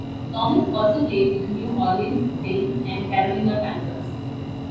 Thomas also played for the New Orleans Saints and Carolina Panthers.